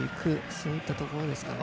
そういったところですかね。